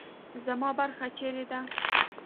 زما برخه چیرې ده؟